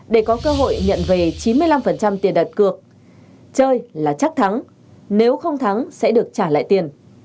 để có cơ hội nhận về chín mươi năm tiền đặt cược chơi là chắc thắng nếu không thắng sẽ được trả lại tiền